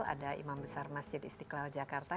ada imam besar masjid istiqlal jakarta